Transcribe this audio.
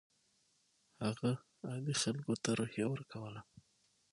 هغه عادي خلکو ته روحیه ورکوله.